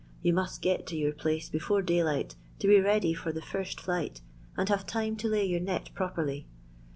You must get to your place before daylight to be ready fur the first Sight, and have time to lay your net properly.